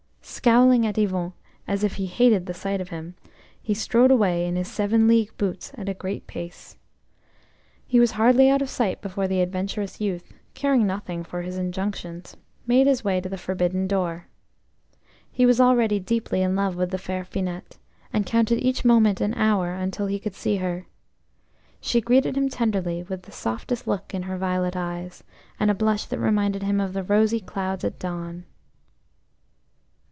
Scowling at Yvon as if he hated the sight of him, he strode away in his seven league boots at a great pace. He was hardly out of sight before the adventurous youth, caring nothing for his injunctions, made his way to the forbidden door. He was already deeply in love with the fair Finette, and counted each moment an hour until he could see her. She greeted him tenderly, with the softest look in her violet eyes, and a blush that reminded him of the rosy clouds at dawn.